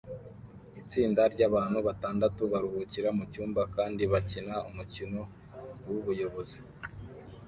Itsinda ryabantu batandatu baruhukira mucyumba kandi bakina umukino wubuyobozi